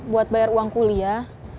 buat bayar uang kuliah